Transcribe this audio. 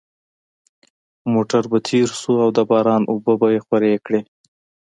موټر به تېر شو او د باران اوبه به یې خورې کړې